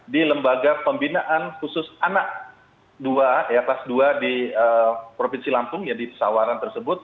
di lembaga pembinaan khusus anak dua kelas dua di provinsi lampung ya di pesawaran tersebut